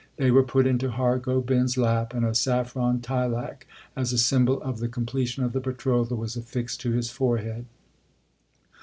They were put into Har Gobind s lap, and a saffron tilak as a symbol of the completion of the betrothal was affixed to his forehead.